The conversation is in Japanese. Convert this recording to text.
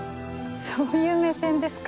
そういう目線ですか。